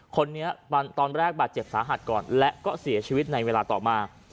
คนนี้ตอนแรกบาดเจ็บสาหัสก่อนและก็เสียชีวิตในเวลาต่อมา